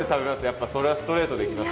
やっぱそれはストレートでいきます？